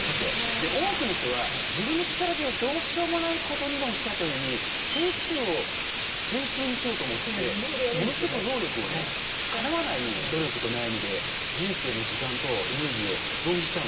で多くの人は自分の力でどうしようもないことに今おっしゃられたように定数を変数にしようと思ってものすごく労力をね。と悩みで人生の時間とエネルギーを浪費しちゃうんですよね。